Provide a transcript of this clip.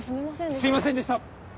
すいませんでした！